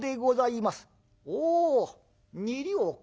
「おお２両か。